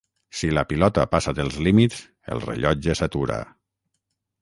Si la pilota passa dels límits, el rellotge s'atura.